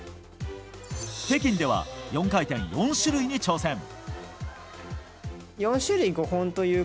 北京では４回転４種類に挑戦。